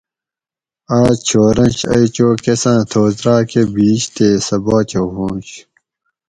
آۤس چھورنش ائی چو کۤساں تھوس راکہ بِھیش تے سہ باچہ ہوانش